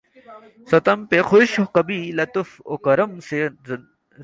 ستم پہ خوش کبھی لطف و کرم سے رنجیدہ